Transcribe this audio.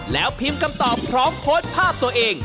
แล้วพิมพ์คำตอบพร้อมโพสต์ภาพตัวเอง